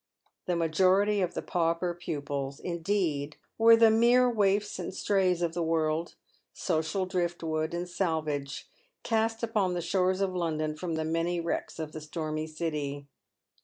The majority of the pauper pupils, indeed, were the mere waifs and strays of the world — social drift wood and salvage, cast upon the shores of London from the many wrecks of the stormy city.